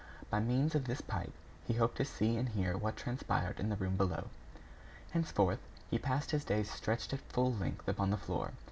By means of this pipe, he hoped to see and hear what transpired in the room below. Henceforth, he passed his days stretched at full length upon the floor.